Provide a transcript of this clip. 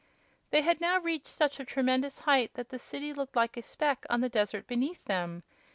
They had now reached such a tremendous height that the city looked like a speck on the desert beneath them.